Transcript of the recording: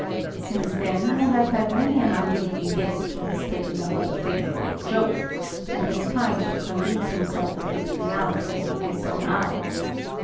"Since then I have had many an unbelieving guest who has taken the whole thing for a joke, and has tried to convince himself of its reality with his own eyes.